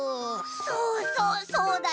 そうそうそうだよね！